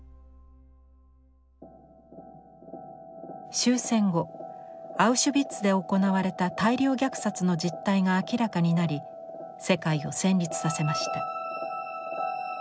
終戦後アウシュビッツで行われた大量虐殺の実態が明らかになり世界を戦慄させました。